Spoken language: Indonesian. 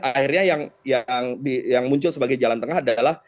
akhirnya yang muncul sebagai jalan tengah adalah